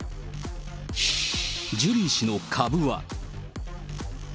ジュリー氏の株は？